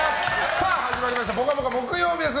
さあ、始まりました「ぽかぽか」木曜日です。